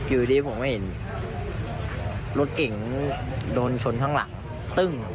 อยู่ดีผมไม่เห็นรถเก่งโดนชนข้างหลังตึ้ง